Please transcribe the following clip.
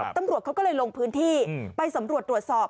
ตำรวจเขาก็เลยลงพื้นที่ไปสำรวจตรวจสอบ